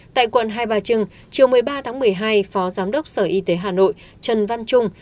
tại quận hai bà trưng chiều một mươi ba tháng một mươi hai phó giám đốc sở y tế hà nội trần văn trung